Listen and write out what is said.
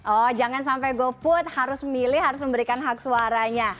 oh jangan sampai goput harus milih harus memberikan hak suaranya